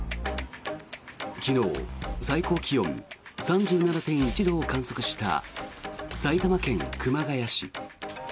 昨日、最高気温３７．１度を観測した埼玉県熊谷市。